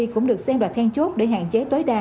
cũng được xem là then chốt để hạn chế tối đa